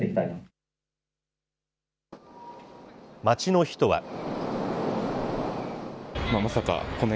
街の人は。